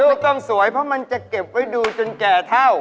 ก็ต้องสวยเพราะมันจะเก็บไว้ดูจนแก่เท่า